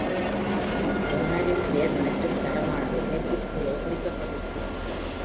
பெறுநரின் பெயர் மற்றும் தரமானது இதற்குக் கீழே பொறிக்கப்பட்டுள்ளது.